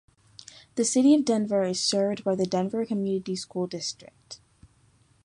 The city of Denver is served by the Denver Community School District.